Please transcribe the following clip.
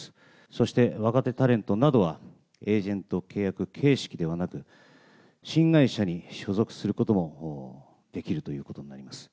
そして、若手タレントなどはエージェント契約形式ではなく、新会社に所属することもできるということになります。